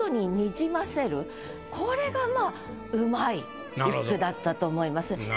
これがまぁうまい一句だったと思います。